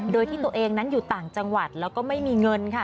โดยที่ตัวเองนั้นอยู่ต่างจังหวัดแล้วก็ไม่มีเงินค่ะ